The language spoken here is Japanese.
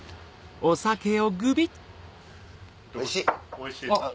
おいしい！